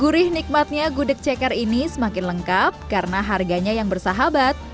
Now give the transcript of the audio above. gurih nikmatnya gudeg ceker ini semakin lengkap karena harganya yang bersahabat